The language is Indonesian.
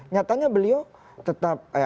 nyatanya beliau tetap